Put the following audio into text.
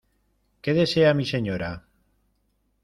¿ qué desea mi señora?